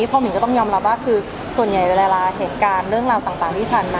เพราะหมิก็ต้องยอมรับว่าส่วนใหญ่เวลาเหตุการณ์